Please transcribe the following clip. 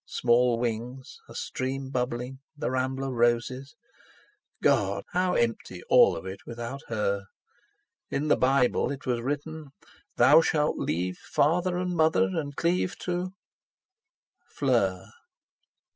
Small wings, a stream bubbling, the rambler roses! God—how empty all of it without her! In the Bible it was written: Thou shalt leave father and mother and cleave to—Fleur!